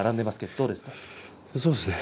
どうですか。